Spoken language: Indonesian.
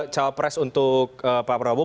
capres untuk pak prabowo